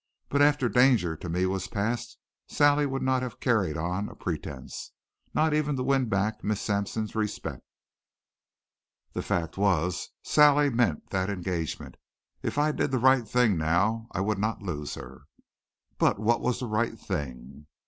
But after danger to me was past Sally would not have carried on a pretense, not even to win back Miss Sampson's respect. The fact was, Sally meant that engagement. If I did the right thing now I would not lose her. But what was the right thing?